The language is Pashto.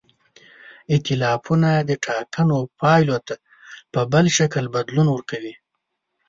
ایتلافونه د ټاکنو پایلو ته په بل شکل بدلون ورکوي.